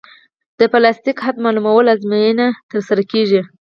د پلاستیک حد معلومولو ازموینه ترسره کیږي